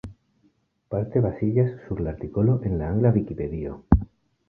Parte baziĝas sur la artikolo en la angla Vikipedio.